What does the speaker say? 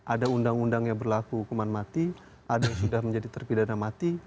ada undang undang yang berlaku hukuman mati ada yang sudah menjadi terpidana mati